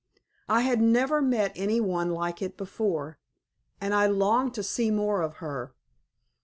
I had never met any one like it before, and I longed to see more of her.